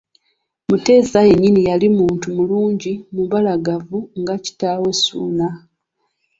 Mutesa yennyini yali muntu mulungi mubalagavu nga kitaawe Ssuuna.